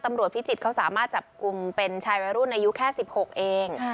พิจิตรเขาสามารถจับกลุ่มเป็นชายวัยรุ่นอายุแค่๑๖เอง